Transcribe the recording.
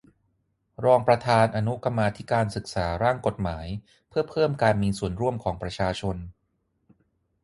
รองประธานอนุกรรมาธิการศึกษาร่างกฎหมายเพื่อเพิ่มการมีส่วนร่วมของประชาชน